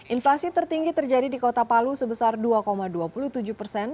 inflasi tertinggi terjadi di kota palu sebesar dua dua puluh tujuh persen